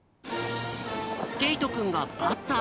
けいとくんがバッター。